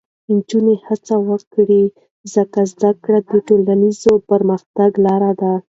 نجونې هڅه وکړي، ځکه زده کړه د ټولنیز پرمختګ لاره ده.